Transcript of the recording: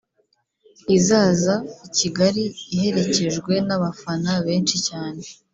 izaza i Kigali iherekejwe n’abafana benshi cyane